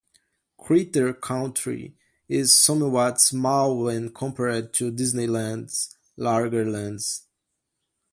Critter Country is somewhat small when compared to Disneyland's larger lands.